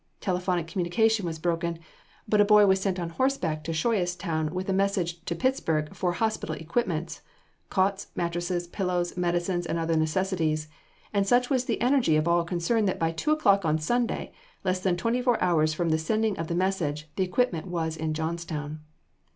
Telephonic communication was broken, but a boy was sent on horseback to Shoyestown with a message to Pittsburg for hospital equipments cots, mattrasses, pillows, medicines and other necessities; and such was the energy of all concerned that by two o'clock on Sunday, less than twenty four hours from the sending of the message, the equipment was in Johnstown.